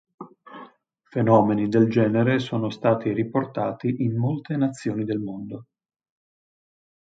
Fenomeni del genere sono stati riportati in molte nazioni del mondo.